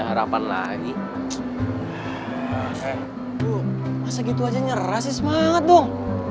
eh bangkuan men